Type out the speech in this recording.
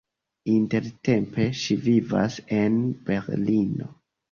Intertempe ŝi vivas en Berlino.